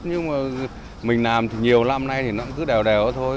nhưng mà mình làm thì nhiều lắm nay thì nó cũng cứ đều đều thôi